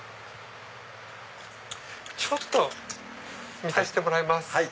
ちょっと見させてもらいます。